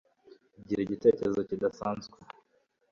gira igitekerezo kidasanzwe